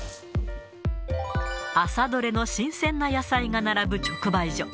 朝どれの新鮮な野菜が並ぶ直売所。